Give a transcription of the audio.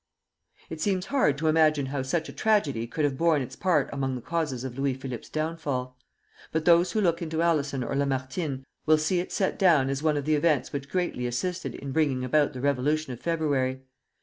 It seems hard to imagine how such a tragedy could have borne its part among the causes of Louis Philippe's downfall; but those who look into Alison or Lamartine will see it set down as one of the events which greatly assisted in bringing about the revolution of February.